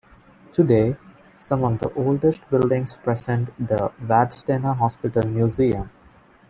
Today, some of the oldest buildings present the Vadstena Hospital Museum.